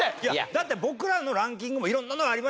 だって僕らのランキングにも色んなのありましたけど